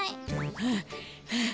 はあはあ。